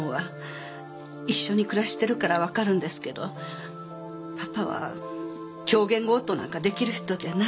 一緒に暮らしてるから分かるんですけどパパは狂言強盗なんかできる人じゃない